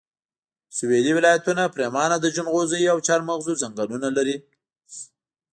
سويلي ولایتونه پرېمانه د جنغوزیو او چارمغزو ځنګلونه لري